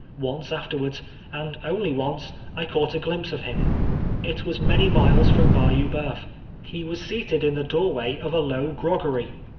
Once afterwards, and only once, I caught a glimpse of him. It was many miles from Bayou Boeuf. He was seated in the doorway of a low groggery.